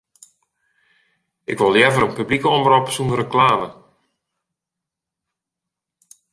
Ik wol leaver in publike omrop sonder reklame.